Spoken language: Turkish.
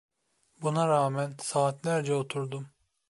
Buna rağmen saatlerce oturdum.